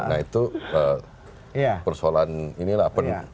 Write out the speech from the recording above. nah itu persoalan inilah